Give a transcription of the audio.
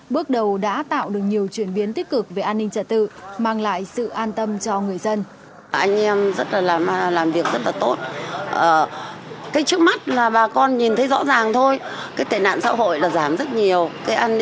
bước đầu đã tạo được nhiều chuyển biến tích cực về an ninh trả tự mang lại sự an tâm cho người dân